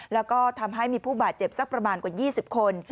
แล้วก็ทำให้มีผู้บาดเจ็บสักประมาณกว่า๒๐คน